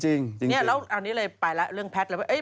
เนี่ยแล้วอันนี้เลยไปแล้วเรื่องแพทย์เลย